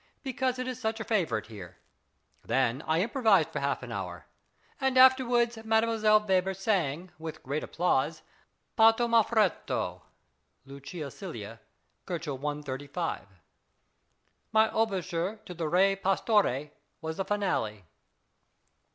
because it is such a favourite here; then I improvised for half an hour, and afterwards Mdlle. Weber sang with great applause "Parto m' affretto" ("Lucio Silla," 135 K.). My overture to the "Re Pastore" was the finale.